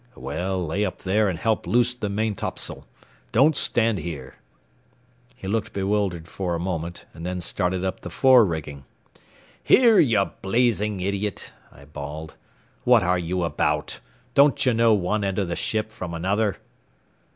"Well, lay up there and help loose the maintopsail. Don't stand here." He looked bewildered for a moment and then started up the fore rigging. "Here, you blazing idiot," I bawled. "What are you about? Don't you know one end of a ship from another?"